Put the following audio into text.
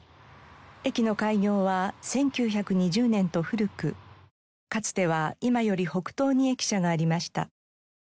駅の開業は１９２０年と古くかつては今より北東に駅舎がありました。